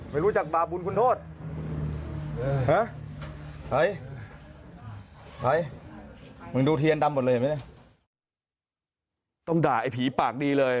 ไม่รู้จักบาปบุญคุณโทษเฮ้ยมึงดูเทียนดำหมดเลยเห็นไหมเนี่ยต้องด่าไอ้ผีปากดีเลย